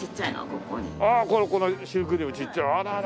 ああこれこのシュークリームちっちゃいあららら。